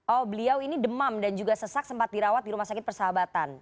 oh beliau ini demam dan juga sesak sempat dirawat di rumah sakit persahabatan